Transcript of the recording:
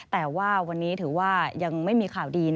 แต่ว่าวันนี้ถือว่ายังไม่มีข่าวดี